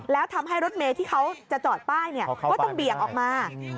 แล้วทำให้รถเมย์ที่เขาจะจอดป้ายก็ต้องเบี่ยงออกมา